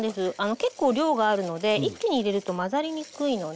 結構量があるので一気に入れると混ざりにくいので。